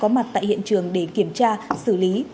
tổ công tác đã có mặt tại hiện trường để kiểm tra xử lý